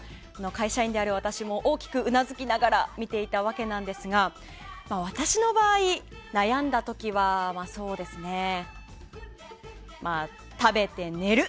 会社員である私も大きくうなずきながら見ていたわけなんですが私の場合、悩んだ時はそうですね食べて、寝る。